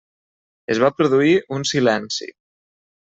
Es va produir un silenci.